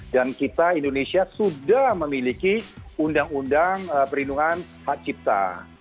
dan kita indonesia sudah memiliki undang undang perlindungan hak cipta